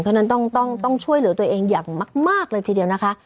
เพราะฉะนั้นต้องช่วยเหลือตัวเองอย่างมากเลยทีเดียวนะคะ